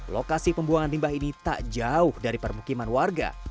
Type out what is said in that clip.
lokasi pembuangan limbah ini tak jauh dari permukiman warga